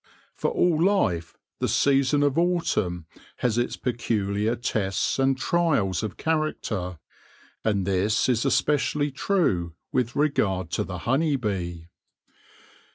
For all life the season of autumn has its peculiar tests and trials of character ; and this is especially true with regard to the honey bee.